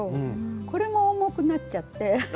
これも重くなっちゃって。